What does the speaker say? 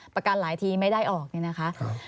ประกันหลายทีไม่ได้ออกไงนะค่ะ